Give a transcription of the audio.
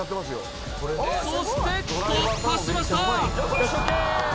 そして突破しました